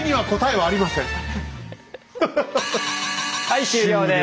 はい終了です。